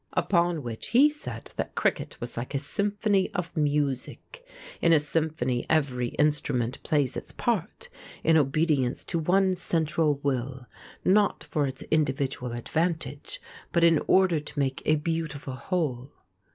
Upon which he said that cricket was like a symphony of music. In a symphony every instrument plays its part in obedience to one central will, not for its individual advantage, but in order to make a beautiful whole.